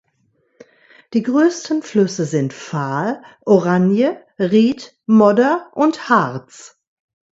Die größten Flüsse sind Vaal, Oranje, Riet, Modder und Harts.